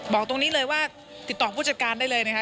บอกตรงนี้เลยว่าติดต่อผู้จัดการได้เลยนะคะ